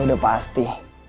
ya udah pasti